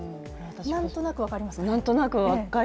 なんとなく分かりますか。